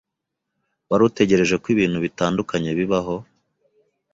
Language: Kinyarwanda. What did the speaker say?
Wari utegereje ko ibintu bitandukanye bibaho?